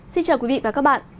xin chào quý vị và các bạn